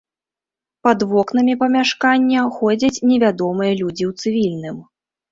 Пад вокнамі памяшкання ходзяць невядомыя людзі ў цывільным.